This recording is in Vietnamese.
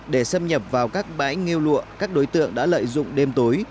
để xâm nhập vào các bãi nghêu lụa các đối tượng đã lợi dụng đêm tối